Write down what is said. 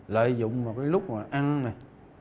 lợi dụng vào cái lúc mà ăn này